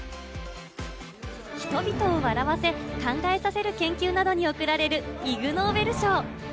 人々を笑わせ、考えさせる研究などに贈られるイグ・ノーベル賞。